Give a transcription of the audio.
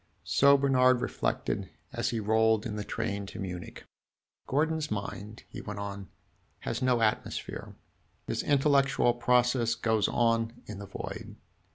So Bernard reflected, as he rolled in the train to Munich. "Gordon's mind," he went on, "has no atmosphere; his intellectual process goes on in the void.